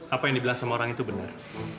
apa yang dibilang sama orang itu benar